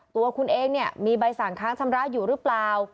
ตัวคุณเองเนี่ยมีใบสั่งค้างชำระอยู่หรือเปล่า